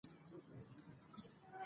د "غرور او تعصب" لومړنی چاپ رد شو.